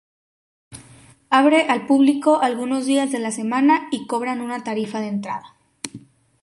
Abre al público algunos días de la semana y cobran una tarifa de entrada.